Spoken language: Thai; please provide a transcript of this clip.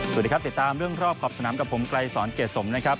สวัสดีครับติดตามเรื่องรอบขอบสนามกับผมไกรสอนเกรดสมนะครับ